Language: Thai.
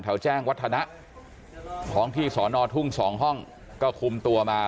แจ้งวัฒนะท้องที่สอนอทุ่ง๒ห้องก็คุมตัวมา